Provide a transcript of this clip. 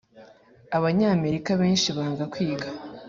Abanyamerika benshi banga kwiga